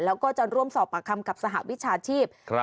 แล้วก็จะร่วมสอบประคำกับสหวัสดิ์วิชาชีพครับ